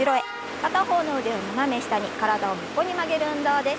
片方の腕を斜め下に体を横に曲げる運動です。